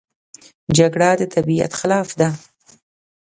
جګړه د طبیعت خلاف ده